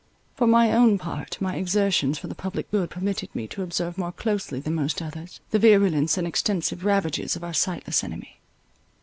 For my own part, my exertions for the public good permitted me to observe more closely than most others, the virulence and extensive ravages of our sightless enemy.